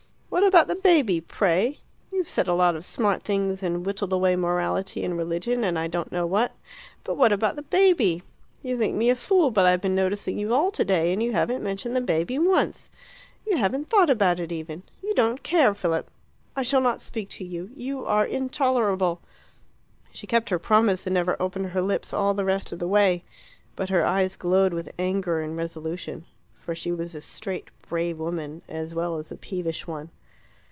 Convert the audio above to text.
"What about the baby, pray? You've said a lot of smart things and whittled away morality and religion and I don't know what; but what about the baby? You think me a fool, but I've been noticing you all today, and you haven't mentioned the baby once. You haven't thought about it, even. You don't care. Philip! I shall not speak to you. You are intolerable." She kept her promise, and never opened her lips all the rest of the way. But her eyes glowed with anger and resolution. For she was a straight, brave woman, as well as a peevish one.